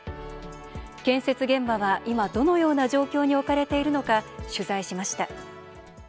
建設現場は、今どのような状況に置かれているのか取材しました。